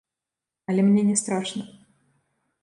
Але мне не страшна.